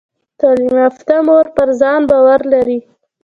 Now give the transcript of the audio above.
تعلیم یافته مور پر ځان باور لري۔